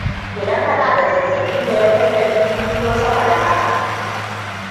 idan kana da zazzaɓi da yakai ɗari da biyu ko sama da haka